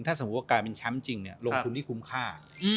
ถ้าสมมุติว่ากลายเป็นแชมป์จริงลงทุนที่คุ้มค่า